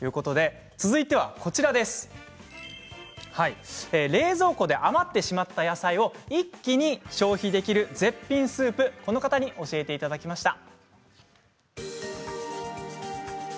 続いては冷蔵庫で余ってしまった野菜を一気に食べられる消費できる絶品スープを教えていただきました。